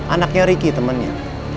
anaknya ricky temannya